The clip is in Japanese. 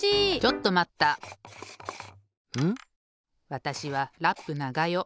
わたしはラップながよ。